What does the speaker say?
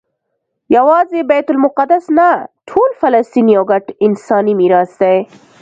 یوازې بیت المقدس نه ټول فلسطین یو ګډ انساني میراث دی.